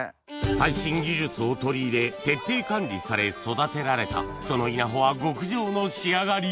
最新技術を取り入れ徹底管理され育てられたその稲穂は極上の仕上がり